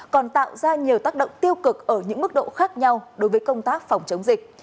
còn tạo ra nhiều tác động tiêu cực ở những mức độ khác nhau đối với công tác phòng chống dịch